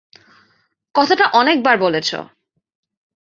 কথাটা অনেকবার বলেছ।